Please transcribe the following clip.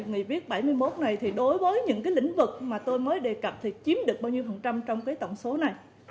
và theo thứ tự và tiêu chí phân bổ của nghị viết bảy mươi một này thì đối với những lĩnh vực mà tôi mới đề cập thì chiếm được bao nhiêu phần trăm trong tổng số này